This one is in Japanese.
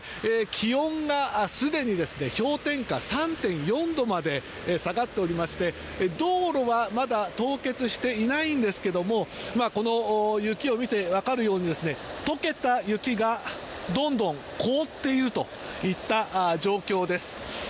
気温が、すでに氷点下３．４度まで下がっておりまして道路はまだ凍結していないんですがこの雪を見て分かるように解けた雪がどんどん凍っているといった状況です。